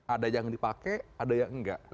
ada yang dipakai ada yang enggak